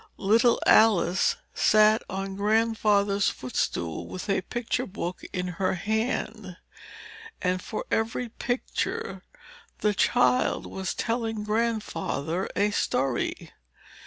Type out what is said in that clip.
Little Alice sat on Grandfather's foot stool, with a picture book in her hand; and, for every picture, the child was telling Grandfather a story.